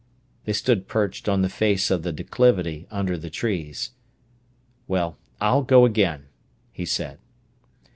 They stood perched on the face of the declivity, under the trees. "Well, I'll go again," he said.